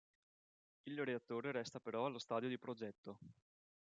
Il reattore resta però allo stadio di progetto.